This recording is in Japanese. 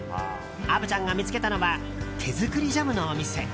虻ちゃんが見つけたのは手作りジャムのお店。